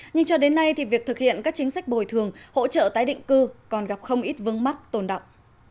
nhưng cho đến nay thì việc thực hiện các chính sách bồi thường hỗ trợ tái định cư còn gặp không ít vương mắc tồn động